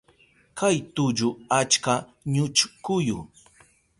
Kay tullu achka ñuchkuyu.